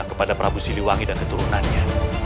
kepada prabu siliwangi dan keturunannya